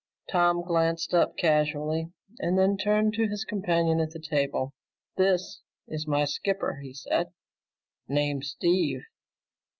Tom glanced up casually and then turned to his companion at the table. "This is my skipper," he said. "Name's Steve.